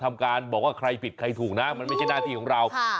ทำการบอกว่าใครผิดใครถูกนะมันไม่ใช่หน้าที่ของเรา